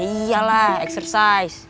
iya lah eksersis